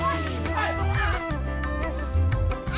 tidak akan apa